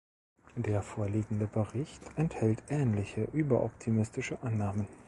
Der vorliegende Bericht enthält ähnliche überoptimistische Annahmen.